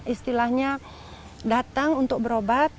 istilahnya datang untuk berobat